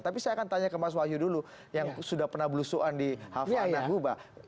tapi saya akan tanya ke mas wahyu dulu yang sudah pernah berusuhan di hava anang guba